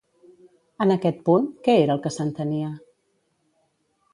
En aquest punt, què era el que s'entenia?